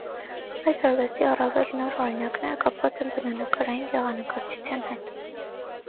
Այս արվեստի առավել նոր օրինակները կապված են բնանկարային գեղանկարչության հետ։